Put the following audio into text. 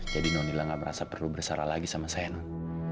jadi nonila nggak merasa perlu bersara lagi sama saya non